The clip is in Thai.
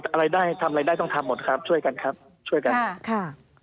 อะไรได้ทำอะไรได้ต้องทำหมดครับช่วยกันครับช่วยกันค่ะ